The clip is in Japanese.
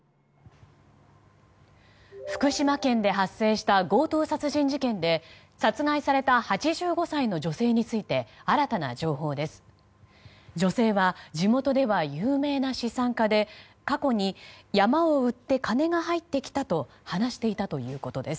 福島県で発生した強盗殺人事件で殺害された８５歳の女性について新たな情報です。